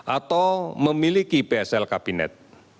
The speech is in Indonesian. atau memiliki bsl kabinet